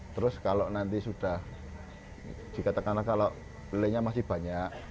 terus kalau nanti sudah dikatakan kalau lelenya masih banyak